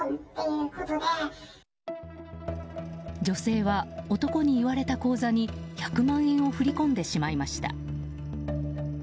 女性は、男に言われた口座に１００万円を振り込んでしまいました。